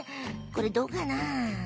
これどうかなあ？